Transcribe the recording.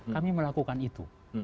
kami melakukan itu